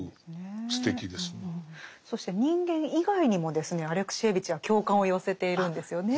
そして人間以外にもですねアレクシエーヴィチは共感を寄せているんですよね。